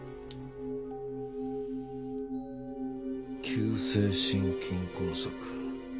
急性心筋梗塞。